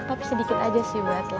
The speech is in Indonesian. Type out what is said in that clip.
tapi sedikit aja sih buat